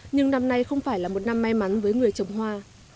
nhưng năm nay không phải là một năm may mắn với người trồng hoa